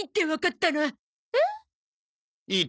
えっ？